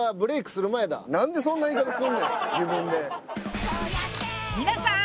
何でそんな言い方すんねん。